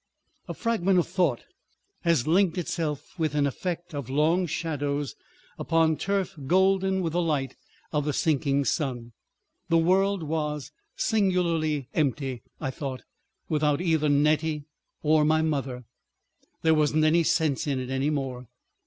A fragment of thought has linked itself with an effect of long shadows upon turf golden with the light of the sinking sun. The world was singularly empty, I thought, without either Nettie or my mother. There wasn't any sense in it any more.